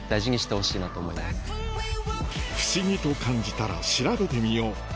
不思議と感じたら調べてみよう